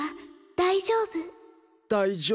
大丈夫。